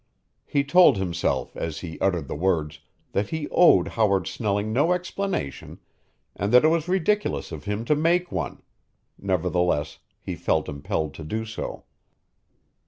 He told himself, as he uttered the words, that he owed Howard Snelling no explanation and that it was ridiculous of him to make one; nevertheless he felt impelled to do so.